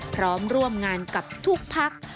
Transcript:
พร้อมร่วมงานกับทุกพัก